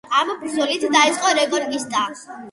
ამ ბრძოლით დაიწყო რეკონკისტა.